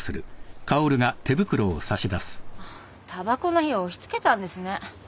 あっタバコの火を押しつけたんですね。